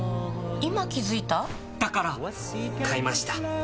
今気付いた？だから！買いました。